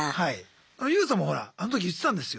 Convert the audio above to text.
ＹＯＵさんもほらあの時言ってたんですよ。